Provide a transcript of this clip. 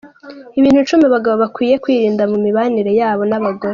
Ibintu icumi abagabo bakwiye kwirinda mu mibanire yabo n’abagore